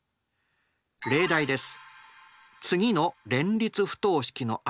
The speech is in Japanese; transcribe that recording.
例題です。